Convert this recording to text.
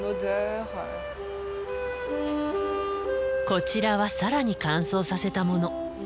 こちらは更に乾燥させたもの。